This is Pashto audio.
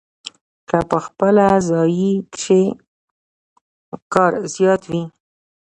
کۀ پۀ پخلي ځائے کښې کار زيات وي